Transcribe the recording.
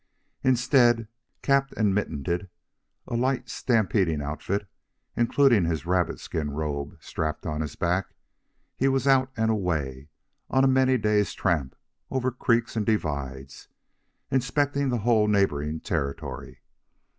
Instead, capped and mittened, a light stampeding outfit, including his rabbit skin robe, strapped on his back, he was out and away on a many days' tramp over creeks and divides, inspecting the whole neighboring territory.